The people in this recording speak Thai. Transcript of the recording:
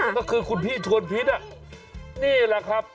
ก็คือคุณพี่ชวนพิษนี่แหละครับ